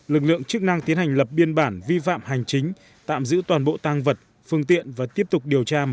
lực lượng chức năng tiến hành lập biên bản vi phạm hành chính tạm giữ toàn bộ tăng vật phương tiện và tiếp tục điều tra mở rộng